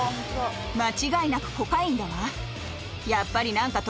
間違いなくコカインだわ。